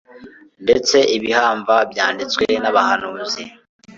ndetse ibihamva byanditswe n'abahanuzi,